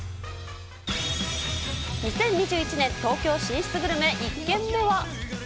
２０２１年東京進出グルメ１軒目は。